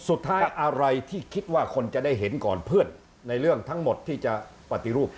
สุดท้ายอะไรที่คิดว่าคนจะได้เห็นก่อนเพื่อนในเรื่องทั้งหมดที่จะปฏิรูป